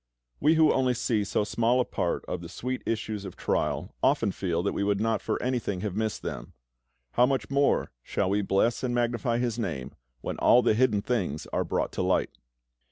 We who only see so small a part of the sweet issues of trial often feel that we would not for anything have missed them; how much more shall we bless and magnify His Name when all the hidden things are brought to light!